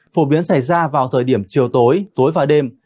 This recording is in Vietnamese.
phổ biến xảy ra vào thời điểm chiều tối tối và đêm